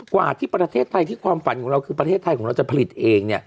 กว่าที่ประเทศไทยที่ความฝันของเราคือประเทศไทยของเราจะผลิตเอง